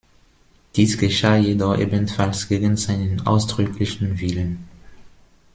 Dies geschah jedoch ebenfalls gegen seinen ausdrücklichen Willen.